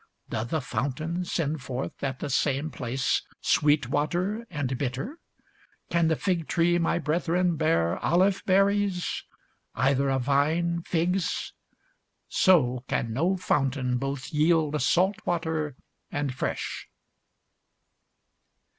Doth a fountain send forth at the same place sweet water and bitter? Can the fig tree, my brethren, bear olive berries? either a vine, figs? so can no fountain both yield salt water and fresh.